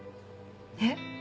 えっ？